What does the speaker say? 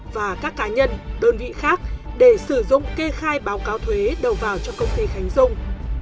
và các cá nhân đơn vị khác để sử dụng kê khai báo cáo thuế đầu vào cho công ty khánh dung